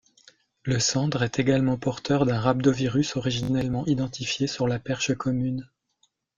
Le sandre est également porteur d'un rhabdovirus originellement identifié sur la perche commune.